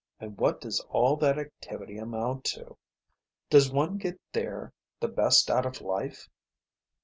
And what does all that activity amount to? Does one get there the best out of life?